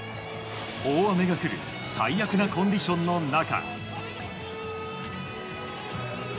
大雨が降る最悪なコンディションの中。